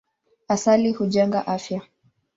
Asali hujenga afya.